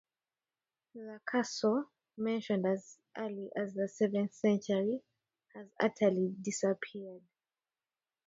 The castle, mentioned as early as the seventh century, has utterly disappeared.